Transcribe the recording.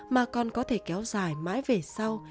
mà con có thể kéo dài mãi về sau